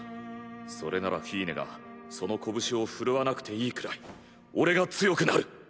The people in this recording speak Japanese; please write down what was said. それならフィーネがその拳を振るわなくていいくらい俺が強くなる！